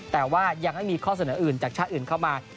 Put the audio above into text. แต่ว่ายังไม่มีข้อเสนออื่นจากชาติอื่นเข้ามา